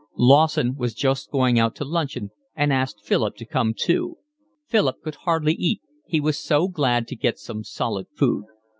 Lawson was just going out to luncheon and asked Philip to come too. Philip could hardly eat, he was so glad to get some solid food.